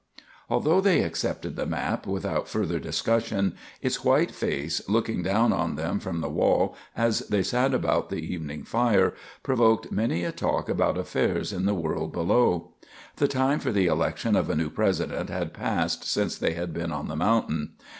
] Although they accepted the map without further discussion, its white face, looking down on them from the wall as they sat about the evening fire, provoked many a talk about affairs in the world below. The time for the election of a new President had passed since they had been on the mountain.